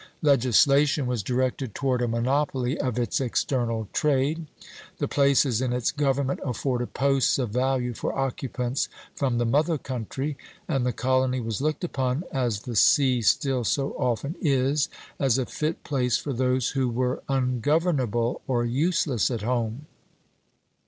Legislation was directed toward a monopoly of its external trade; the places in its government afforded posts of value for occupants from the mother country; and the colony was looked upon, as the sea still so often is, as a fit place for those who were ungovernable or useless at home.